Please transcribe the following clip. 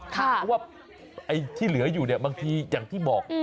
เพราะแม้ที่เหลืออยู่เนี่ยบางทีอาทิบอก